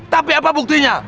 tapi apa buktinya